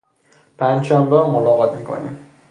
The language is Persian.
پنجشنبهها ملاقات میکنیم.